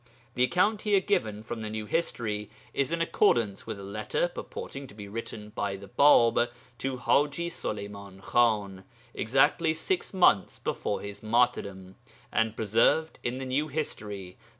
The account here given from the New History is in accordance with a letter purporting to be written by the Bāb to Haji Suleyman Khan exactly six months before his martyrdom; and preserved in the New History, pp.